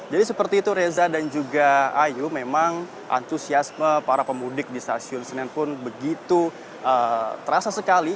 jadi seperti itu reza dan juga ayu memang antusiasme para pemudik di stasiun senin pun begitu terasa sekali